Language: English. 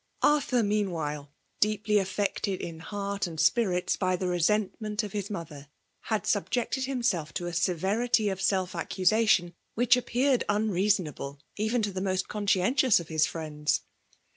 Arthur^ meanwhile, deeply affected in heasst and spirits by the resentment of his mother, had subjected himself to a severity of self accusation, which appeared unreasonable, even to the most conscientious of his friends.